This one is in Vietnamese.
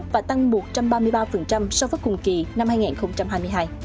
và tăng một trăm ba mươi ba so với cùng kỳ năm hai nghìn hai mươi hai